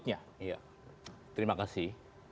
tapi ar safety mini nya dipucat dengan pekan depan